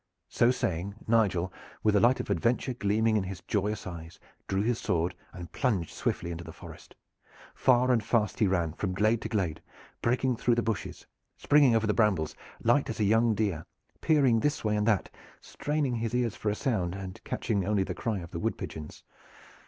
So saying, Nigel, with the light, of adventure gleaming in his joyous eyes, drew his sword and plunged swiftly into the forest. Far and fast he ran, from glade to glade, breaking through the bushes, springing over the brambles, light as a young deer, peering this way and that, straining his ears for a sound, and catching only the cry of the wood pigeons.